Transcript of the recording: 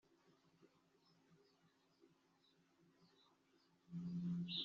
kubera gushyirwa ku buyobozi bw'ishyanga ryari ryarashyiriweho kuba umuco umurikira amahanga yariarikikije